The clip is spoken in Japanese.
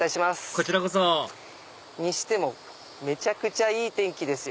こちらこそにしてもめちゃくちゃいい天気ですよ。